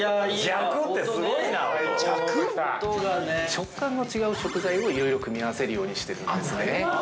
◆食感の違う食材をいろいろ組み合わせるようにしているんですね。